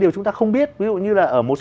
điều chúng ta không biết ví dụ như là ở